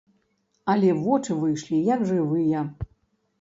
Але вочы выйшлі як жывыя.